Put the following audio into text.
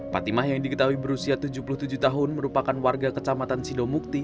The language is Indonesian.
patimah yang diketahui berusia tujuh puluh tujuh tahun merupakan warga kecamatan sidomukti